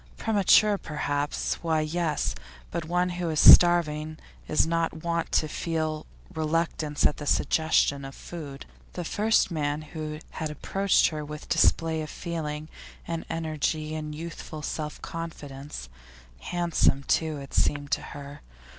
Premature, perhaps; why, yes, but one who is starving is not wont to feel reluctance at the suggestion of food. The first man who had approached her with display of feeling and energy and youthful self confidence; handsome too, it seemed to her.